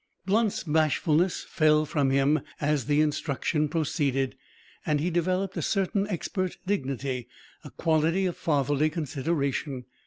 Blunt's bashfulness fell from him as the instruction proceeded, and he developed a certain expert dignity, a quality of fatherly consideration.